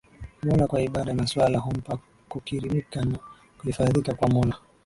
Mola kwa ibada na swala humpa kukirimika na kuhifadhika kwa Mola